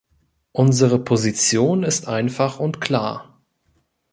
Unsere Position ist einfach und klar.